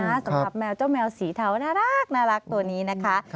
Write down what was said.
สำหรับแมวเจ้าแมวสีเทาน่ารักตัวนี้นะคะ